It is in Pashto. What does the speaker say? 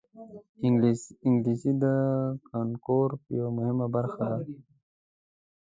انګلیسي د کانکور یوه مهمه برخه ده